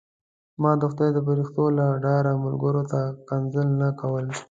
ما د خدای د فرښتو له ډاره ملګرو ته کنځل نه کول.